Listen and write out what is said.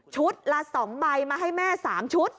ละ๒ใบมาให้แม่๓ชุด